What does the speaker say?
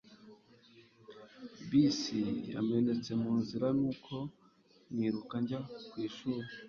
bisi yamenetse mu nzira, nuko niruka njya ku ishuri